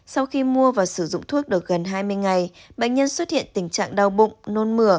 sau khi mua và sử dụng thuốc được gần hai mươi ngày bệnh nhân xuất hiện tình trạng đau bụng nôn mửa